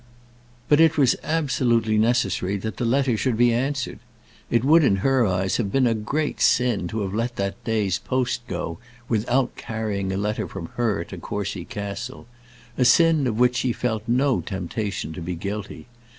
But it was absolutely necessary that the letter should be answered. It would in her eyes have been a great sin to have let that day's post go without carrying a letter from her to Courcy Castle, a sin of which she felt no temptation to be guilty.